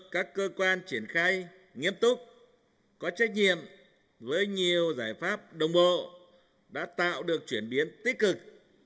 các cơ quan triển khai nghiêm túc có trách nhiệm với nhiều giải pháp đồng bộ đã tạo được chuyển biến tích cực